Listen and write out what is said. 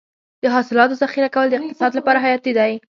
د حاصلاتو ذخیره کول د اقتصاد لپاره حیاتي دي.